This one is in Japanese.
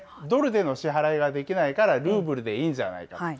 ドルでの支払いができないから、ルーブルでいいじゃないかと。